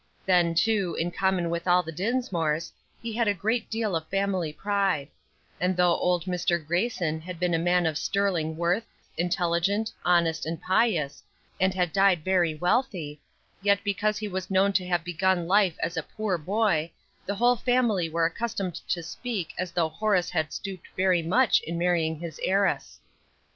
Then, too, in common with all the Dinsmores, he had a great deal of family pride; and, though old Mr. Grayson had been a man of sterling worth, intelligent, honest, and pious, and had died very wealthy, yet because he was known to have begun life as a poor boy, the whole family were accustomed to speak as though Horace had stooped very much in marrying his heiress.